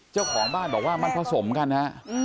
เจ้าของบ้านบอกว่ามันผสมกันฮะ